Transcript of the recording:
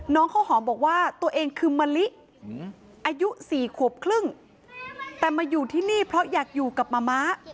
ข้าวหอมบอกว่าตัวเองคือมะลิอายุ๔ขวบครึ่งแต่มาอยู่ที่นี่เพราะอยากอยู่กับมะม้า